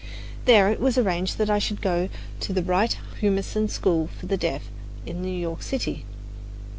There it was arranged that I should go to the Wright Humason School for the Deaf in New York City.